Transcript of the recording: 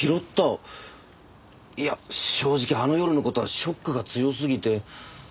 いや正直あの夜の事はショックが強すぎて。